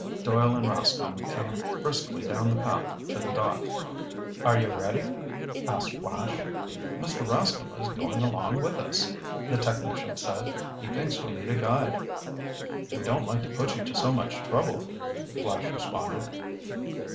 Doyle and Rascomb came briskly down the path to the dock. "Are you ready?" asked Flash. "Mr. Rascomb is going along with us," the technician said. "He thinks we need a guide." "We don't like to put you to so much trouble," Flash responded.